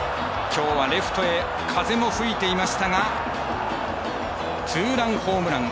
きょうはレフトへ風も吹いていましたがツーランホームラン。